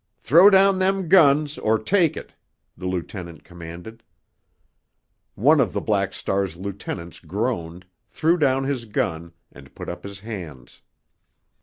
"Throw down them guns, or take it!" the lieutenant commanded. One of the Black Star's lieutenants groaned, threw down his gun, and put up his hands.